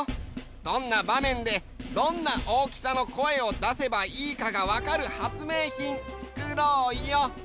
どんなばめんでどんな大きさの声をだせばいいかがわかる発明品つくろうよ。